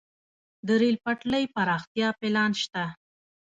د ریل پټلۍ پراختیا پلان شته